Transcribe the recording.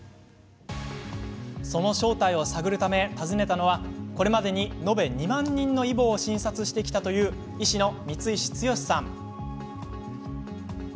その正体を探るため訪ねたのはこれまでに延べ２万人のイボを診察してきたという医師の三石剛さん。